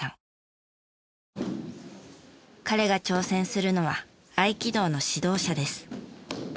彼が挑戦するのは合気道の指導者です。